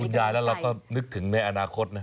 ยายแล้วเราก็นึกถึงในอนาคตนะ